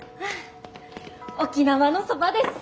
沖縄のそばです。